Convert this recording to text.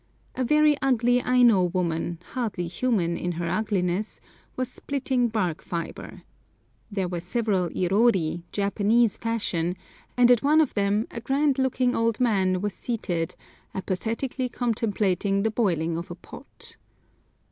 A very ugly Aino woman, hardly human in her ugliness, was splitting bark fibre. There were several irori, Japanese fashion, and at one of them a grand looking old man was seated apathetically contemplating the boiling of a pot.